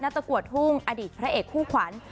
ตะกัวทุ่งอดีตพระเอกคู่ขวัญ